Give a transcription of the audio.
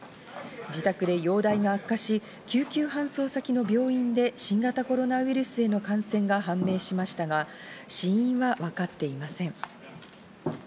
自宅で容体が悪化し、救急搬送先の病院で新型コロナウイルスへの感染が判明しましたが、死因は分かっていません。